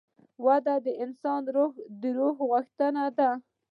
وده د انسان د روح غوښتنه ده.